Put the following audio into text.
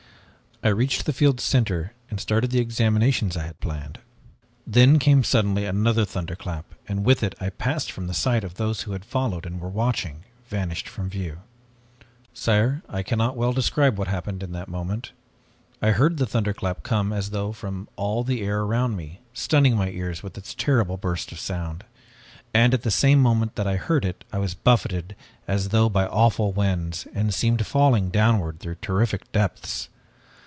I reached the field's center, and started the examinations I had planned. Then came suddenly another thunderclap and with it I passed from the sight of those who had followed and were watching, vanished from view. "Sire, I cannot well describe what happened in that moment. I heard the thunderclap come as though from all the air around me, stunning my ears with its terrible burst of sound. And at the same moment that I heard it, I was buffeted as though by awful winds and seemed falling downward through terrific depths.